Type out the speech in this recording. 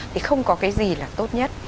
thì không có cái gì là không có tốt